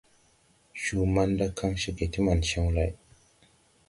Cuu manda kan ceege ti man cew lay.